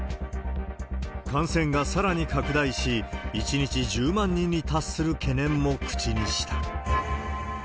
感染がさらに拡大し、１日１０万人に達する懸念も口にした。